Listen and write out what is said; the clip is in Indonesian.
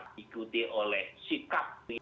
diikuti oleh sikap